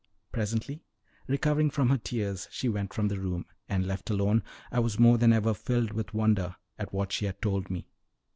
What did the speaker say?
Presently, recovering from her tears, she went from the room, and, left alone, I was more than ever filled with wonder at what she had told me.